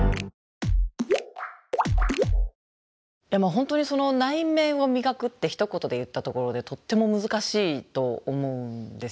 本当に内面を磨くってひと言で言ったところでとっても難しいと思うんですよ。